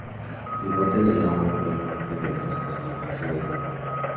El bote de Lowe fue el único en regresar para salvar sobrevivientes.